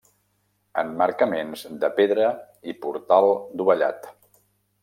Emmarcaments de pedra i portal dovellat.